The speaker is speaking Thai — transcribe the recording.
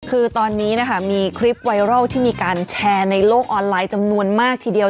คือตอนนี้นะคะมีคลิปไวรัลที่มีการแชร์ในโลกออนไลน์จำนวนมากทีเดียว